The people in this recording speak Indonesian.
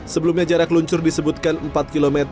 sebelumnya jarak luncur disebutkan empat km